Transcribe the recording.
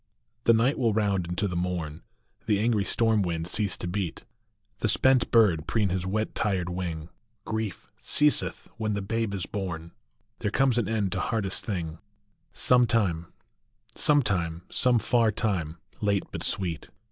HE night will round into the morn, The angry storm wind cease to beat, The spent bird preen his wet tired wing, Grief ceaseth when the babe is born. There comes an end to hardest thing Some time, Some time, some far time, late but sweet.